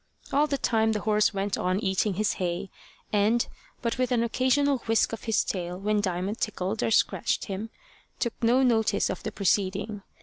All the time the old horse went on eating his hay, and, but with an occasional whisk of his tail when Diamond tickled or scratched him, took no notice of the proceeding.